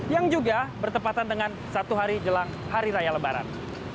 yang juga bertepatan dengan satu hari jelang hari raya lebaran